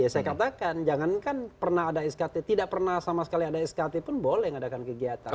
saya katakan jangankan pernah ada skt tidak pernah sama sekali ada skt pun boleh ngadakan kegiatan